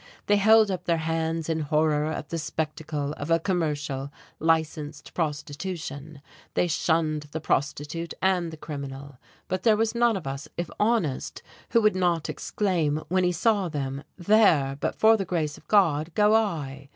They held up their hands in horror at the spectacle of a commercial, licensed prostitution, they shunned the prostitute and the criminal; but there was none of us, if honest, who would not exclaim when he saw them, "there, but for the Grace of God, go I!"